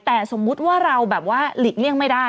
แต่สมมุติว่าเราแบบว่าหลีกเลี่ยงไม่ได้